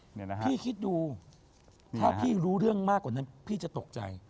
พี่คิดดูถ้าพี่รู้เรื่องมากกว่านั้นพี่จะตกใจ